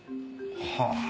はあ